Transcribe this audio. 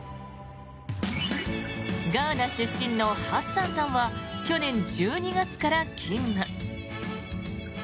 ガーナ出身のハッサンさんは去年１２月から勤務。